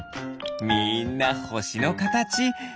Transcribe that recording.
みんなほしのかたち。